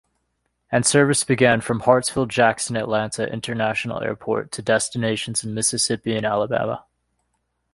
And service began from Hartsfield-Jackson Atlanta International Airport to destinations in Mississippi and Alabama.